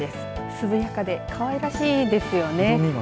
涼やかでかわいらしいですよね。